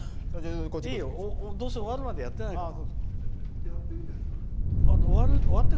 どうせ終わるまでやってないから。